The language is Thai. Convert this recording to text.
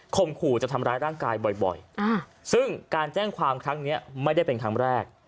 ขู่จะทำร้ายร่างกายบ่อยซึ่งการแจ้งความครั้งนี้ไม่ได้เป็นครั้งแรก